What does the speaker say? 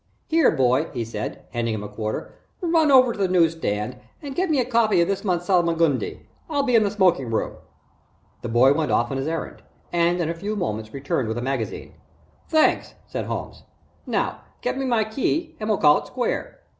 "Here, son," he said, handing him a quarter, "run over to the news stand and get me a copy of this months Salmagundi I'll be in the smoking room." The boy went off on his errand, and in a few minutes returned with a magazine. "Thanks," said Holmes. "Now get me my key and we'll call it square."